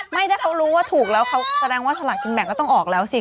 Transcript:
ไม่ถ้าเขารู้ว่าถูกแล้วเขาแสดงว่าสลากกินแบ่งก็ต้องออกแล้วสิ